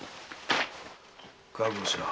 覚悟しな。